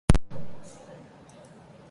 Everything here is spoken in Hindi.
पाकिस्तान में भी हैं भगत सिंह के दीवाने